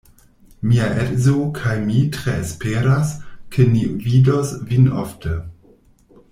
Mia edzo kaj mi tre esperas, ke ni vidos vin ofte.